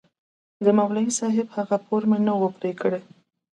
د مولوي صاحب هغه پور مې نه و پرې كړى.